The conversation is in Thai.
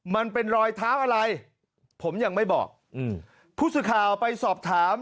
มันเป็นรอยเท้าอะไรผมยังไม่บอกอืมผู้สื่อข่าวไปสอบถาม